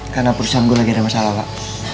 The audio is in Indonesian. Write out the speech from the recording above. karena perusahaan gue lagi ada masalah pak